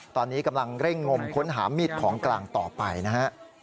ตอนนี้กำลังเร่งงมค้นหามีดของกลางต่อไปนะฮะ